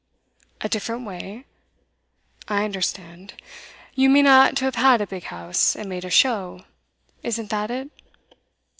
'A different way? I understand. You mean I ought to have had a big house, and made a show. Isn't that it?